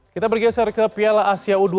kita bergeser ke piala asia u dua puluh